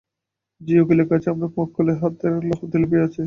যে উকিলের কাছে আমার মক্কেলের হাতের লেখার প্রতিলিপি আছে।